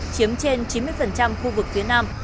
chiếm trên chín mươi khu vực phía nam